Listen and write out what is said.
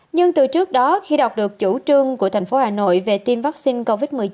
nhưng từ trước đó khi đọc được chủ trương của thành phố hà nội về tiêm vaccine covid một mươi chín